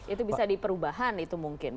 itu bisa diperubahan itu mungkin